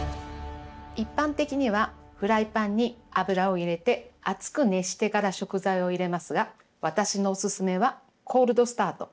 一般的にはフライパンに油を入れて熱く熱してから食材を入れますが私のおすすめはコールドスタート。